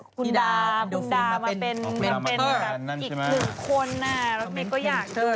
บุญดามาเป็นอีกหนึ่งคนแล้วมีก็อยากดู